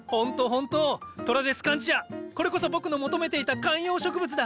トラデスカンチアこれこそ僕の求めていた観葉植物だ。